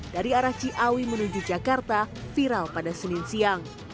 dari arah ciawi menuju jakarta viral pada senin siang